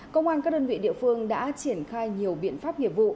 công an các đơn vị địa phương đã triển khai nhiều biện pháp nghiệp vụ